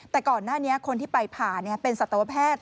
แต่ก่อนหน้านี้คนที่ไปผ่าเป็นสัตวแพทย์